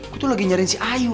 gue tuh lagi nyariin si ayu